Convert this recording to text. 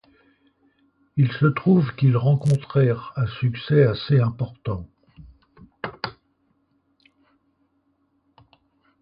Il se trouve qu'ils rencontrèrent un succès assez important.